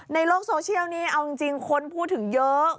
ในโลกโซเชียลนี้เอาจริงคนพูดถึงเยอะ